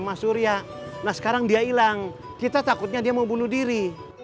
gue mau mati aja kalau begini